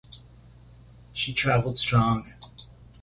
She travelled strong.